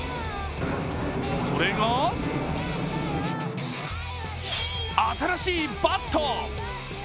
それが、新しいバット。